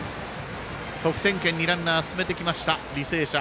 得点圏にランナーを進めてきました、履正社。